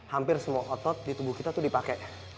hampir semua otot di tubuh kita itu dipakai